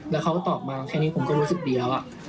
แล้วเขาก็ตอบมาแค่นี้ผมก็รู้สึกดีแล้ว